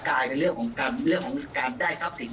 กลายเป็นเรื่องของการได้ทรัพย์สิน